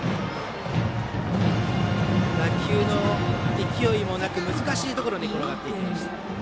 打球の勢いもなく難しいところに転がっていきました。